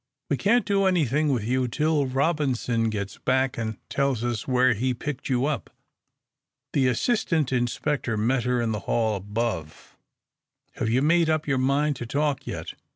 "We can't do anything with you till Robinson gets back, and tells us where he picked you up." The assistant inspector met her in the hall above. "Have you made up your mind to talk yet?"